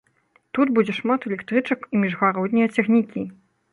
Тут будзе шмат электрычак і міжгароднія цягнікі.